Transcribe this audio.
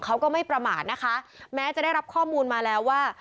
เขาก็ไม่ประมาทนะคะแม้จะได้รับข้อมูลมาแล้วว่า